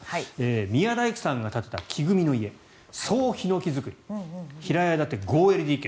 宮大工さんが建てた木組みの家総ヒノキ造り平屋建ての５ＬＤＫ。